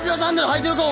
履いてるか！